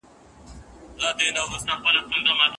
هغه اوسمهال له ډېرو سختو ستونزو سره مبارزه کوي.